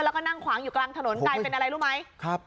แล้วก็นั่งขวางอยู่กลางถนนกลายเป็นอะไรรู้ไหมครับ